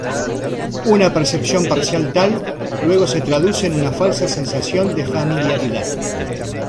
Una "percepción parcial" tal luego se traduce en una falsa sensación de familiaridad.